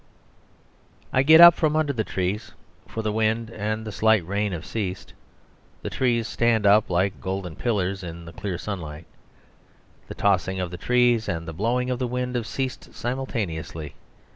..... I get up from under the trees, for the wind and the slight rain have ceased. The trees stand up like golden pillars in a clear sunlight. The tossing of the trees and the blowing of the wind have ceased simultaneously.